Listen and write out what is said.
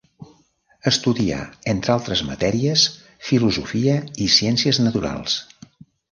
Estudià entre altres matèries, filosofia i ciències naturals.